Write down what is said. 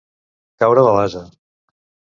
Caure de l'ase.